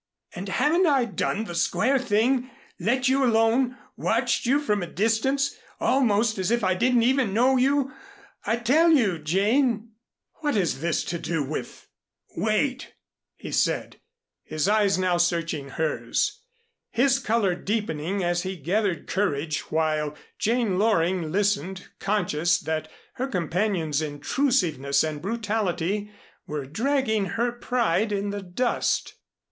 And haven't I done the square thing, let you alone, watched you from a distance, almost as if I didn't even know you? I tell you, Jane " "What has this to do with " "Wait," he said, his eyes now searching hers, his color deepening as he gathered courage, while Jane Loring listened, conscious that her companion's intrusiveness and brutality were dragging her pride in the dust.